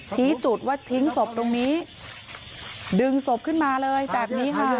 ชี้จุดว่าทิ้งศพตรงนี้ดึงศพขึ้นมาเลยแบบนี้ค่ะ